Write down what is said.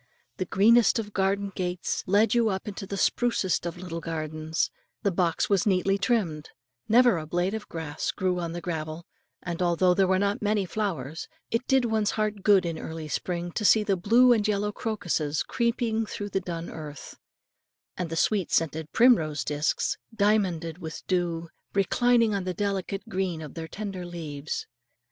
The greenest of garden gates led you into the sprucest of little gardens; the box was neatly trimmed; never a blade of grass grew on the gravel; and although there were not many flowers, it did one's heart good in early spring to see the blue and yellow crocuses, peeping through the dun earth, and the sweet scented primrose discs, diamonded with dew, reclining on the delicate green of their tender leaves.